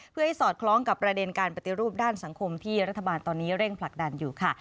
เพื่อให้สอดคล้องกับประเด็นการปฏิรูปด้านสังคมที่รัฐบาลตอนนี้เร่งผลักดันอยู่ค่ะ